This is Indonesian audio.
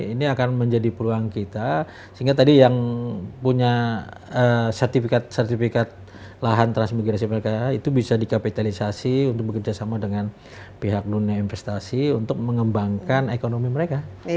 ini akan menjadi peluang kita sehingga tadi yang punya sertifikat sertifikat lahan transmigrasi mereka itu bisa dikapitalisasi untuk bekerjasama dengan pihak dunia investasi untuk mengembangkan ekonomi mereka